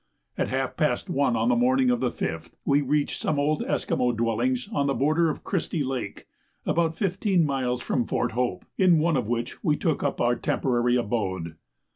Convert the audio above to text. At half past 1 on the morning of the 5th we reached some old Esquimaux dwellings on the border of Christie Lake, about fifteen miles from Fort Hope, in one of which we took up our temporary abode.